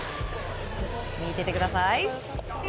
見ていてください。